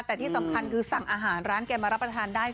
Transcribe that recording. แต่ที่สำคัญคือสั่งอาหารร้านแกมารับประทานได้